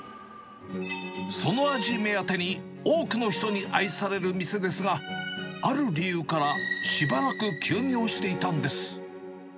その味目当てに、多くの人に愛される店ですが、ある理由から、しばらく休業していたんです。